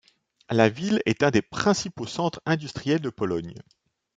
La ville est l'un des principaux centres industriels de Pologne.